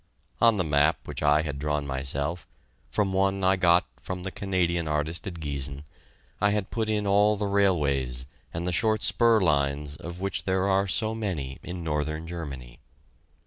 On the map which I had drawn myself, from one I got from the Canadian artist at Giessen, I had put in all the railways and the short spur lines of which there are so many in northern Germany.